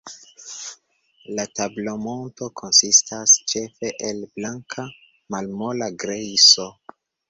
La tablomonto konsistas ĉefe el blanka, malmola grejso.